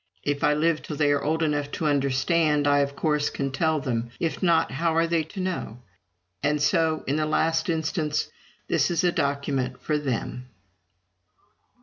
If I live till they are old enough to understand, I, of course, can tell them. If not, how are they to know? And so, in the last instance, this is a document for them.